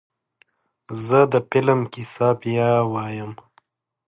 زه د فلم کیسه بیا وایم.